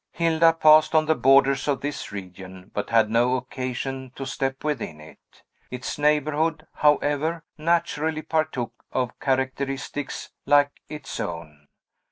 Hilda passed on the borders of this region, but had no occasion to step within it. Its neighborhood, however, naturally partook of characteristics 'like its own.